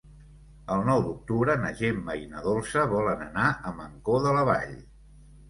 El nou d'octubre na Gemma i na Dolça volen anar a Mancor de la Vall.